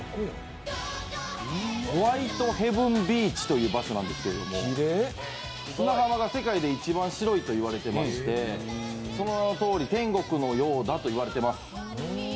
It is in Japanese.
ホワイトヘブンビーチという場所なんですけど砂浜が世界で一番白いといわれてまして、その名のとおり天国のようだと言われています。